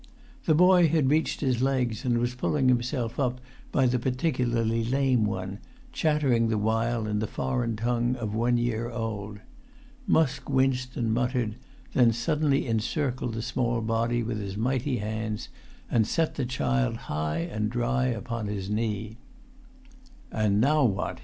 The boy had reached his legs, and was pulling himself up by the particularly lame one, chattering the while in the foreign tongue of one year old. Musk winced and muttered, then suddenly encircled the small body with his mighty hands, and set the child high and dry upon his knee. "And now what?"